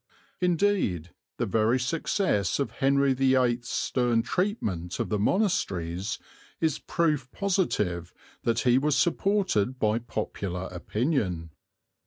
Indeed, the very success of Henry VIII's stern treatment of the monasteries is proof positive that he was supported by popular opinion.